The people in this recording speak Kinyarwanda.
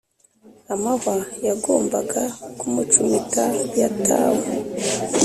amahwa yagombaga kumucumita yatawe